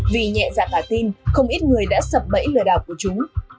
vì nhẹ dạ cả tin không ít người đã sập bẫy lừa đảo của chúng